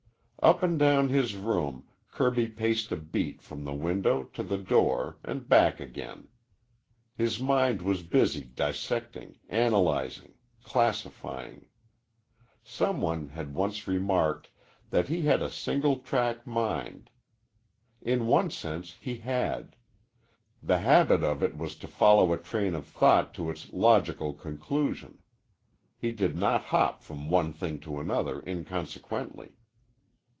Up and down his room Kirby paced a beat from the window to the door and back again. His mind was busy dissecting, analyzing, classifying. Some one had once remarked that he had a single track mind. In one sense he had. The habit of it was to follow a train of thought to its logical conclusion. He did not hop from one thing to another inconsequently.